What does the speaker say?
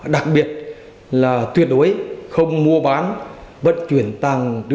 đặc biệt là tuyệt đối không mua bán vận chuyển tàng trữ